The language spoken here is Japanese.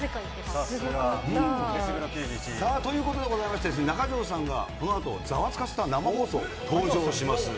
すごかった。ということでございまして、中条さんがこのあとざわつかせた生放送、登場します。